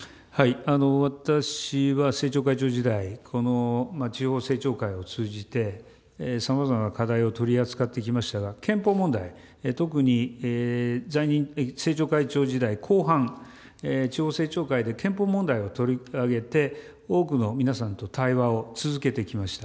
私は政調会長時代、地方政調会を通じて、さまざまな課題を取り扱ってきましたが、憲法問題、特に政調会長時代後半、地方政調会で憲法問題を取り上げて、多くの皆さんと対話を続けてきました。